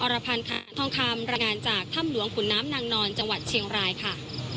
รพันธ์ค่ะอันทองคำรายงานจากถ้ำหลวงขุนน้ำนางนอนจังหวัดเชียงรายค่ะ